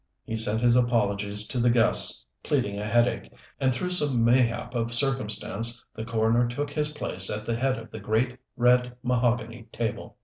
He sent his apologies to the guests, pleading a headache, and through some mayhap of circumstance the coroner took his place at the head of the great, red mahogany table.